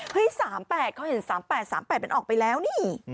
เฮ้ย๓๘เค้าเห็น๓๘ออกไปแล้วนี่